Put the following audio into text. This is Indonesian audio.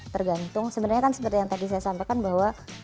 tergantung sebenarnya kan seperti yang tadi saya sampaikan bahwa